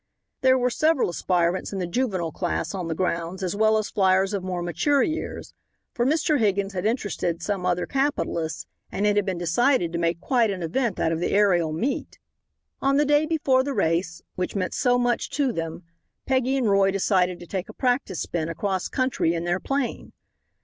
There were several aspirants in the juvenile class on the grounds as well as fliers of more mature years, for Mr. Higgins had interested some other capitalists, and it had been decided to make quite an event out of the aerial meet. On the day before the race, which meant so much to them, Peggy and Roy decided to take a practice spin across country in their 'plane.